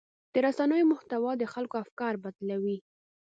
د رسنیو محتوا د خلکو افکار بدلوي.